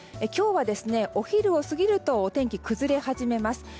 今日はお昼を過ぎるとお天気が崩れ始めます。